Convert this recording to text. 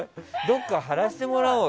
どこか貼らせてもらおう。